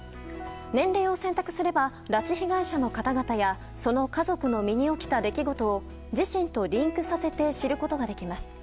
年齢を選択すれば拉致被害者の方々やその家族の身に起きた出来事を自身とリンクさせて知ることができます。